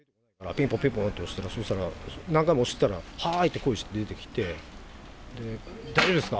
ピンポンピンポンって押したら、そうしたら、何回も押したら、はーいって声して出てきて、大丈夫ですか？